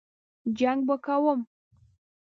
جنګ به کوم.